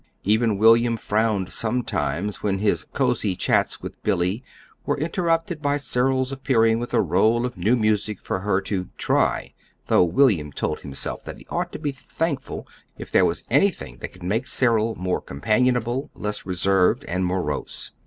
Even William frowned sometimes when his cozy chats with Billy were interrupted by Cyril's appearing with a roll of new music for her to "try"; though William told himself that he ought to be thankful if there was anything that could make Cyril more companionable, less reserved and morose.